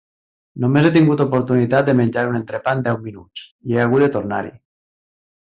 Només he tingut oportunitat de menjar un entrepà en deu minuts, i he hagut de tornar-hi!